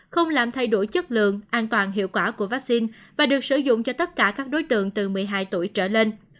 không làm thay đổi chất lượng an toàn hiệu quả của vaccine và được sử dụng cho tất cả các đối tượng từ một mươi hai tuổi trở lên